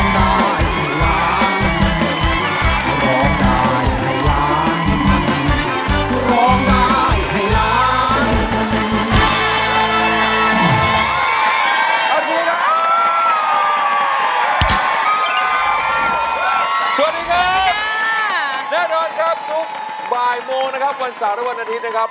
แน่นอนครับทุกบ่ายโมงนะครับวันสารและวันอาทิตย์นะครับ